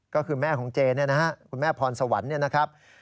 ก็คือแม่ของเจ๊นะครับคุณแม่พรสวรรค์นะครับ